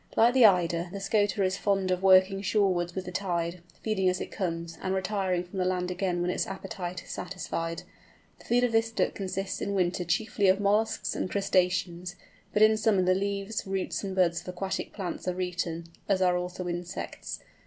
Like the Eider the Scoter is fond of working shorewards with the tide, feeding as it comes, and retiring from the land again when its appetite is satisfied. The food of this Duck consists in winter chiefly of molluscs and crustaceans; but in summer the leaves, roots, and buds of aquatic plants are eaten, as are also insects.